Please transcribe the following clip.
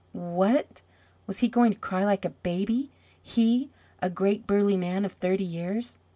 What? Was he going to cry like a baby he, a great burly man of thirty years?